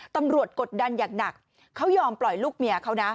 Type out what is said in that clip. กดดันอย่างหนักเขายอมปล่อยลูกเมียเขานะ